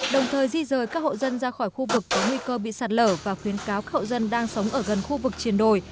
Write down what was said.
đồng thời di rời các hộ dân ra khỏi khu vực có nguy cơ bị sạt lở và khuyến cáo hậu dân đang sống ở gần khu vực triền đồi